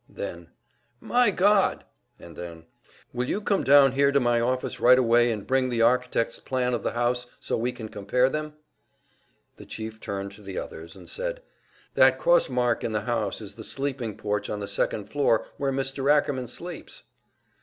Then, "My God!" And then, "Will you come down here to my office right away and bring the architect's plan of the house so we can compare them?" The Chief turned to the others, and said, "That cross mark in the house is the sleeping porch on the second floor where Mr. Ackerman sleeps!"